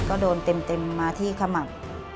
ก็โดนเต็มมาที่ขมับ